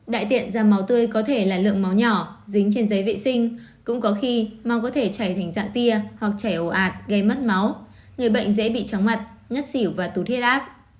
đại tiện da máu tươi có thể là lượng máu nhỏ dính trên giấy vệ sinh cũng có khi mau có thể chảy thành dạng tia hoặc chảy ổ ạt gây mất máu người bệnh dễ bị tróng mặt ngất xỉu và tút hết áp